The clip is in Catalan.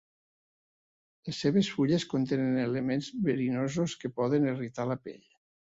Les seves fulles contenen elements verinosos que poden irritar la pell.